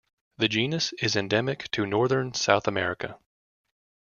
The genus is endemic to northern South America.